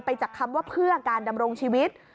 จากคำว่าเพื่อการดำรงชีวิต